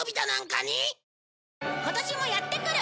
今年もやってくる！